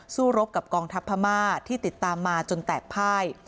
รบกับกองทัพพม่าที่ติดตามมาจนแตกภาย